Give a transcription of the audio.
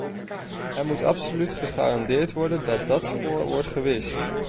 Er moet absoluut gegarandeerd worden dat dat spoor wordt gewist.